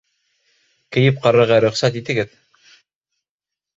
Кейеп ҡарарға рөхсәт итегеҙ.